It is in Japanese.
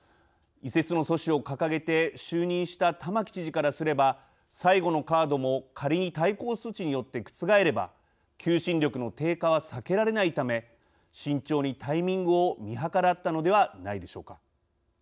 移設の阻止を掲げて就任した玉城知事からすれば最後のカードも仮に対抗措置によって覆れば求心力の低下は避けられないため慎重にタイミングを見計らったのではないでしょうか。